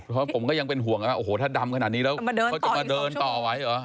เพราะผมก็ยังเป็นห่วงโอ้โหถ้าดำขนาดนี้แล้วเขาจะมาเดินต่อไว้เหรอ